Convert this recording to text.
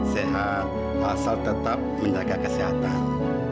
sehat pasar tetap menjaga kesehatan